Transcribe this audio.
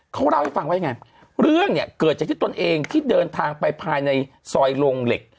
เขาเล่าให้ฟังว่ายังไงเรื่องเนี่ยเกิดจากที่ตนเองที่เดินทางไปภายในซอยโรงเหล็ก